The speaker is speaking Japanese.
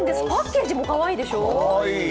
パッケージもかわいいでしょう。